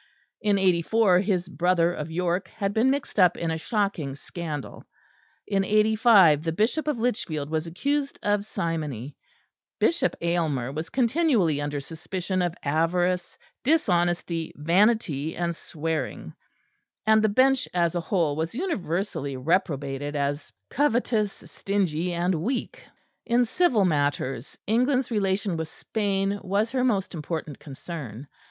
In '84 his brother of York had been mixed up in a shocking scandal; in '85 the Bishop of Lichfield was accused of simony; Bishop Aylmer was continually under suspicion of avarice, dishonesty, vanity and swearing; and the Bench as a whole was universally reprobated as covetous, stingy and weak. In civil matters, England's relation with Spain was her most important concern.